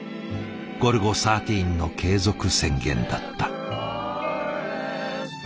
「ゴルゴ１３」の継続宣言だった。